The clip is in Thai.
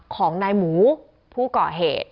ของนายหมูผู้ก่อเหตุ